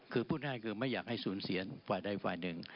คือพูดง่ายคือไม่อยากให้สูญเสียฝ่ายใดฝ่ายหนึ่ง